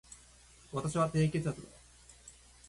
私は低血圧だ